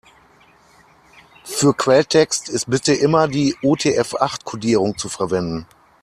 Für Quelltext ist bitte immer die UTF-acht-Kodierung zu verwenden.